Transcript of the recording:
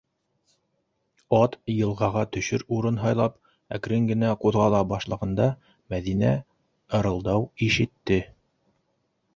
Ат, йылғаға төшөр урын һайлап, әкрен генә ҡуҙғала башлағанда, Мәҙинә ырылдау ишетте.